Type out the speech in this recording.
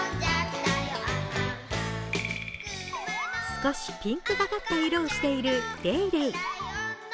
少しピンクがかった色をしているレイレイ。